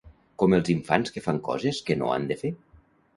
Com els infants que fan coses que no han de fer.